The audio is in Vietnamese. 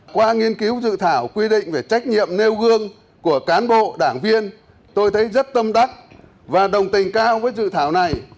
qua nghiên cứu dự thảo quy định về trách nhiệm nêu gương của cán bộ đảng viên tôi thấy rất tâm đắc và đồng tình cao với dự thảo này